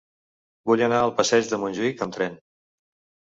Vull anar al passeig de Montjuïc amb tren.